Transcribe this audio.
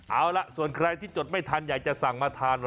เอาล่ะส่วนใครที่จดไม่ทันอยากจะสั่งมาทาน